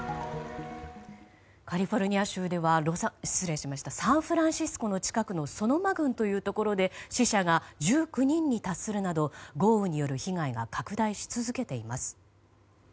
カリフォルニア州ではサンフランシスコ近くで死者が１９人に達するなど豪雨による被害が拡大し続けています。